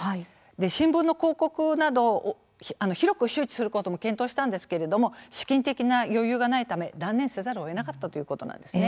新聞の広告など広く周知することも検討したんですけれども資金的な余裕がないため断念せざるをえなかったということなんです。